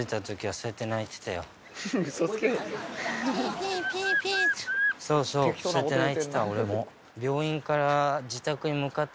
そうそうそうやって泣いてた俺も。